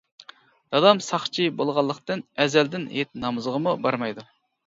دادام ساقچى بولغانلىقتىن ئەزەلدىن ھېيت نامىزىغىمۇ بارمايدۇ.